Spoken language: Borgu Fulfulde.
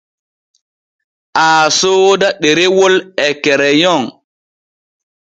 Aa sooda ɗerewol e kereyon.